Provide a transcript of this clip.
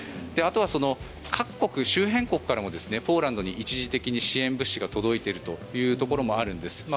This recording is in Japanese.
あとは、各国、周辺国からもポーランドに一時的に支援物資が届いているというところもあるんです。